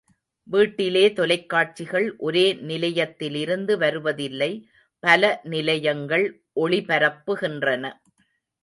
வீட்டிலே தொலைக்காட்சிகள் ஒரே நிலையத்திலிருந்து வருவதில்லை, பல நிலையங்கள் ஒளிபரப்புகின்றன.